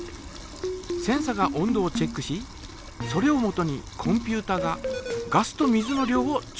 センサが温度をチェックしそれをもとにコンピュータがガスと水の量を調節する。